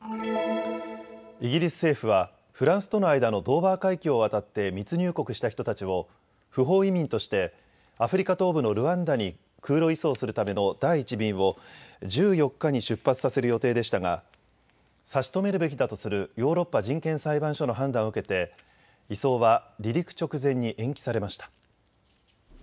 イギリス政府はフランスとの間のドーバー海峡を渡って密入国した人たちを不法移民としてアフリカ東部のルワンダに空路移送するための第１便を１４日に出発させる予定でしたが、差し止めるべきだとするヨーロッパ人権裁判所の判断を受けて移送は離陸直前に延期されました。